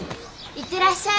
いってらっしゃい。